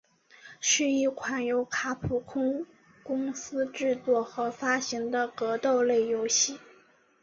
是一款由卡普空公司制作和发行的格斗类游戏。